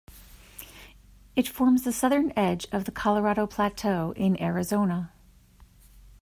It forms the southern edge of the Colorado Plateau in Arizona.